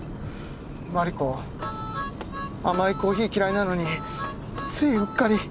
真梨子甘いコーヒー嫌いなのについうっかり。